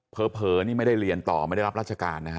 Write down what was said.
เผลอนี่ไม่ได้เรียนต่อไม่ได้รับราชการนะฮะ